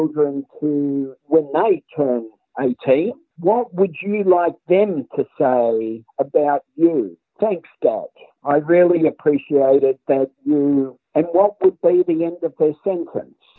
dan apa yang akan menjadi akhirnya